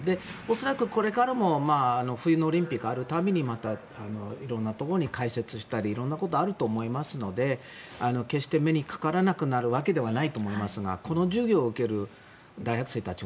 恐らくこれからも冬のオリンピックがある度にまた色んなところで解説したり色んなことがあると思いますので決して目にかからなくなるわけではないと思いますがこの授業を受ける大学生たち